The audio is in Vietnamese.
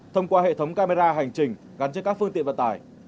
thông qua hệ thống camera hành trình gắn trên các phương tiện vận tải